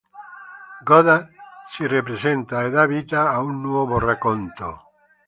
Godard si ripresenta e dà vita a un nuovo racconto.